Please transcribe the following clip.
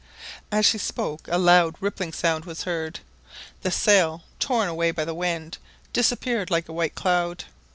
As she spoke a loud rippling sound was heard. The sail, torn away by the wind, disappeared like a white cloud.